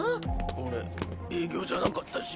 俺営業じゃなかったし。